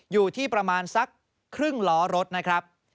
อยู่ที่ประมาณสักครึ่งล้อรถนะครับ